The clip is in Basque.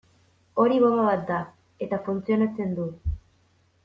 Hori bonba bat da, eta funtzionatzen du.